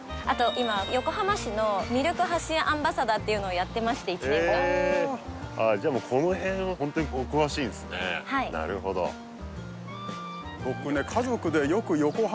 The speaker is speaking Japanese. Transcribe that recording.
今横浜市の魅力発信アンバサダーっていうのをやってまして１年間ああじゃあもうこの辺ホントにお詳しいんすねなるほど僕ね